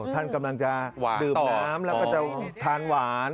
ท่านกำลังจะดื่มน้ำแล้วก็จะทานหวาน